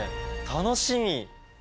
楽しみ！